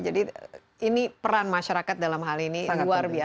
jadi ini peran masyarakat dalam hal ini